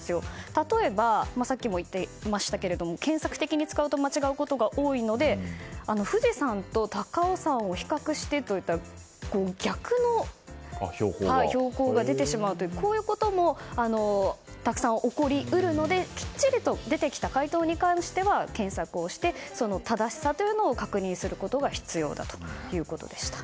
例えばさっきも言っていましたが検索的に使うと間違うことが多いので富士山と高尾山を比較してと言ったら逆の標高が出てしまうこういうこともたくさん起こり得るのできっちりと出てきた回答に関しては検索をして正しさを確認することが必要だということでした。